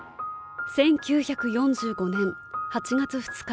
１９４５年８月２日